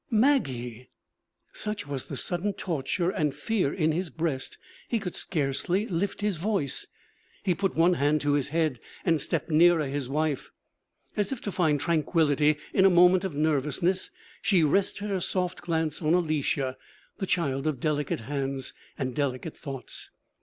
'Maggie!' Such was the sudden torture and fear in his breast, he could scarcely lift his voice. He put one hand to his head and stepped nearer his wife. As if to find tranquillity in a moment of nervousness, she rested her soft glance on Alicia, the child of delicate hands and delicate thoughts.